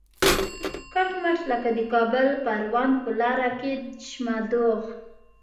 کټ مټ لکه د کابل پروان لاره کې چشمه دوغ.